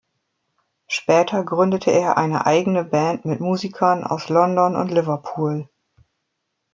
Später gründete er eine eigene Band mit Musikern aus London und Liverpool.